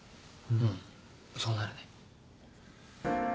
うんそうなるね。